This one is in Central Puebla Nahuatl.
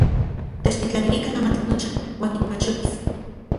Techtitlanilikan amatl nocha uan nikmachotis.